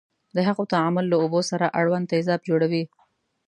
د هغو تعامل له اوبو سره اړوند تیزاب جوړوي.